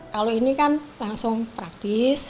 kalau ini kan langsung praktis